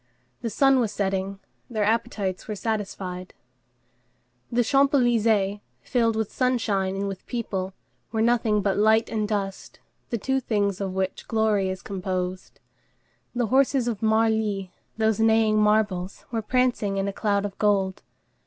The sun was setting; their appetites were satisfied. The Champs Élysées, filled with sunshine and with people, were nothing but light and dust, the two things of which glory is composed. The horses of Marly, those neighing marbles, were prancing in a cloud of gold.